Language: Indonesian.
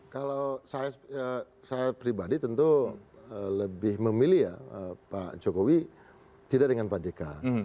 kalau saya pribadi tentu lebih memilih ya pak jokowi tidak dengan pak jk